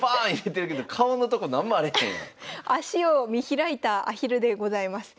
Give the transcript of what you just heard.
足を見開いたアヒルでございます。